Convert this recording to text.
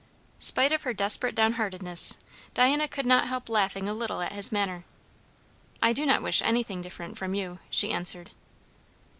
Spite of her desperate downheartedness, Diana could not help laughing a little at his manner. "I do not wish anything different from you," she answered.